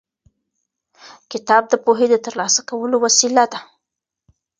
کتاب د پوهې د ترلاسه کولو وسیله ده.